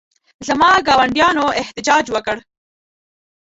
زما ګاونډیانو احتجاج وکړ.